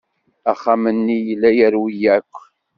Axxam-nni yella yerwi akk.